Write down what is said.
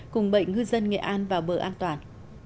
cùng bệnh ngư dân nghệ an vào bờ an toàn